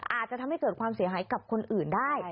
อาจจะทำให้เกิดความเสียหายกับคนอื่นได้